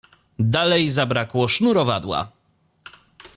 Dalej zabrakło sznurowadła.